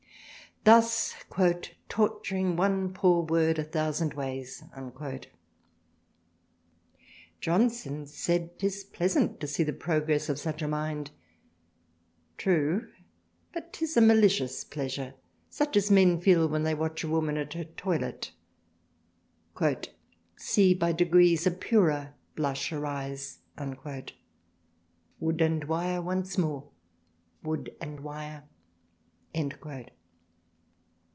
thus Tort'ring one poor Word a thousands Ways, Johnson says 'tis pleasant to see the progress of such a Mind : true but 'tis a malicious Pleasure such as Men feel when they watch a Woman at her Toilet See by Degrees a purer Blush arise Wood and Wire once more : Wood and Wire."